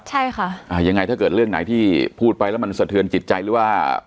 ใช่ค่ะอ่ายังไงถ้าเกิดเรื่องไหนที่พูดไปแล้วมันสะเทือนจิตใจหรือว่า